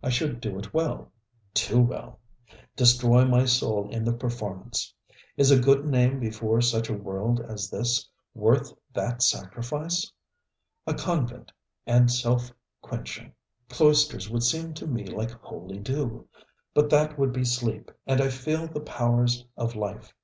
I should do it well too well; destroy my soul in the performance. Is a good name before such a world as this worth that sacrifice? A convent and self quenching; cloisters would seem to me like holy dew. But that would be sleep, and I feel the powers of life.